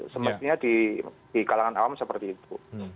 semestinya di kalangan awam seperti itu